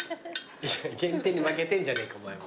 限定に負けてんじゃねえかお前も。